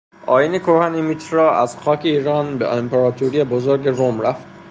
آیین کهن میترا از خاک ایران به امپراتوری بزرگ روم رفت.